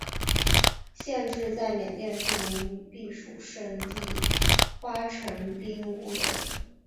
县治在缅甸著名避暑胜地花城彬乌伦。